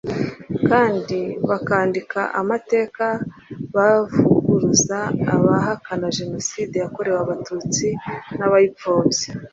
kandi bakandika amateka bavuguruza abahakana Jenocide yakorewe Abatutsi n’abayipfobya